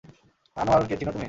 আনোয়ার কে চিনো তুমি?